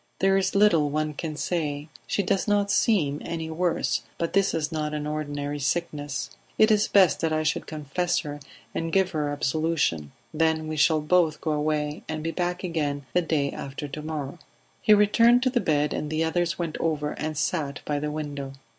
"There is little one can say. She does not seem any worse, but this is not an ordinary sickness. It is best that I should confess her and give her absolution; then we shall both go away and be back again the day after to morrow." He returned to the bed, and the others went over and sat by the window.